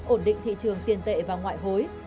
ổn định thị trường tiền tệ và ngoại hối